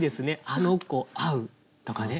「あの子」「会う」とかね。